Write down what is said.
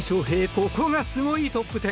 ここがスゴイトップ１０。